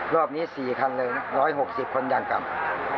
รอบนี้๔คันเลย๑๖๐คนอย่างกลับ